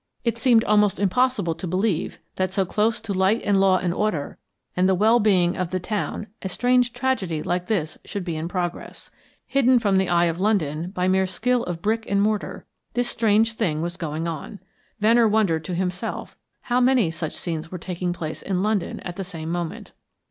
It seemed almost impossible to believe that so close to light and law and order and the well being of the town a strange tragedy like this should be in progress; hidden from the eye of London, by mere skill of brick and mortar, this strange thing was going on. Venner wondered to himself how many such scenes were taking place in London at the same moment.